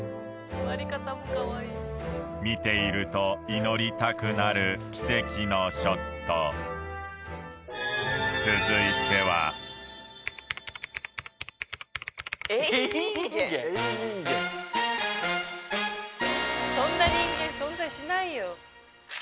座り方もカワイイし見ていると祈りたくなるキセキのショット続いてはそんな人間存在しないよ